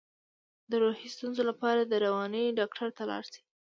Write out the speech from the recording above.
د روحي ستونزو لپاره د رواني ډاکټر ته لاړ شئ